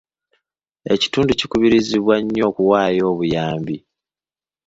Ekitundu kikubirizibwa nnyo okuwaayo obuyambi.